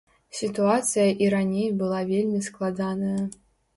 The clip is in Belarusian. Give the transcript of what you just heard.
Сітуацыя і раней была вельмі складаная.